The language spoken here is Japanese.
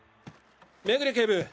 目暮警部